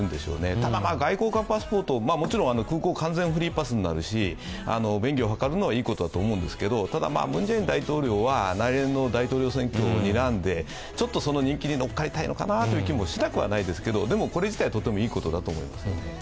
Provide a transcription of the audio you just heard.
ただ、外交官パスポート、もちろん空港が完全にフリーパスになるので便宜を図るのはいいんですけどただ、ムン・ジェイン大統領は来年の大統領選挙をにらんでちょっと人気に乗っかりたいのかなという気がしないでもないけどでも、これ自体はすごくいいことだと思いますね。